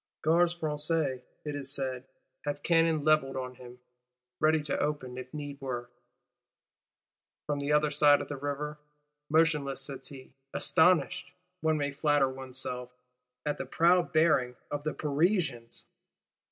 Gardes Françaises, it is said, have cannon levelled on him; ready to open, if need were, from the other side of the River. Motionless sits he; "astonished," one may flatter oneself, "at the proud bearing (fière contenance) of the Parisians."